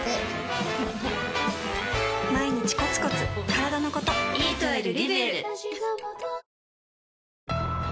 毎日コツコツからだのこといただきます。